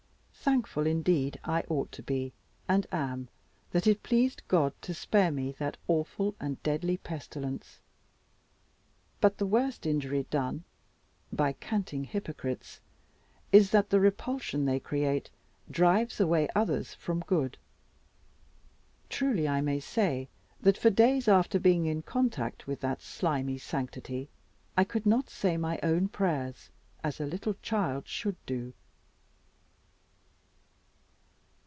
Thankful indeed I ought to be, and am, that it pleased God to spare me that awful and deadly pestilence. But the worst injury done by canting hypocrites is, that the repulsion they create drives away others from good. Truly I may say, that for days after being in contact with that slimy sanctity, I could not say my own prayers, as a little child should do.